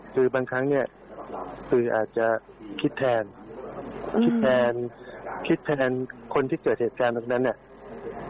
คือบางครั้งเนี่ยสื่ออาจจะคิดแทนคิดแทนคิดแทนคนที่เกิดเหตุการณ์ตรงนั้นเนี่ย